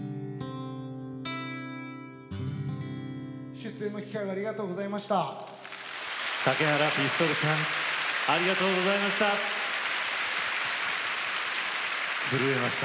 出演の機会ありがとうございました。